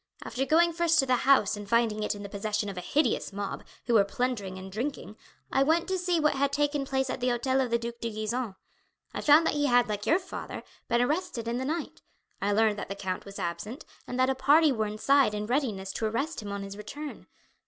After going first to the house and finding it in the possession of a hideous mob, who were plundering and drinking, I went to see what had taken place at the hotel of the Duc de Gisons. I found that he had, like your father, been arrested in the night. I learned that the count was absent, and that a party were inside in readiness to arrest him on his return.